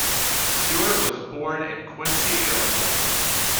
Stewart was born in Quincy, Illinois.